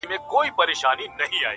یو سړی وو خدای په ډېر څه نازولی,